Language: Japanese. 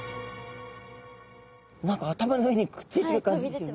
何か頭の上にくっついてる感じですよね。